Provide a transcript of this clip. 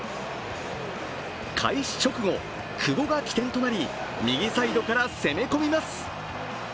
開始直後、久保が起点となり、右サイドから攻め込みます。